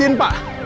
ibu andin pak